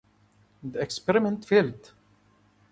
The experiment failed.